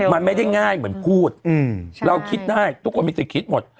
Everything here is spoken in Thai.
มันไม่ได้ง่ายเหมือนพูดเราคิดได้ทุกคนมีสิทธิ์คิดหมด